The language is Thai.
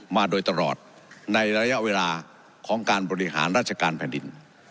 มาโดยตลอดในระยะเวลาของการบริหารราชการแผ่นดิน